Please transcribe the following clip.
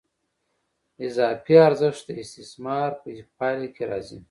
اضافي ارزښت د استثمار په پایله کې راځي